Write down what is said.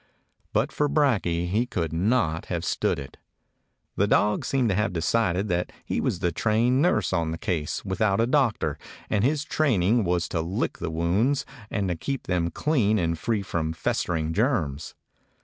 But for Brakje he could not have stood it. The dog seemed to have decided that he was the trained nurse on this case without a doctor and his training was to lick the wounds and keep them clean and free from festering germs.